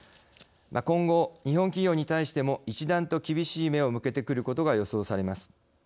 今後、日本企業に対しても一段と厳しい目を向けてくることが予想されます。